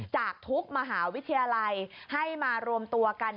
จากทุกมหาวิทยาลัยให้มารวมตัวกัน